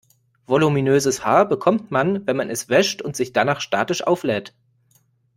Voluminöses Haar bekommt man, wenn man es wäscht und sich danach statisch auflädt.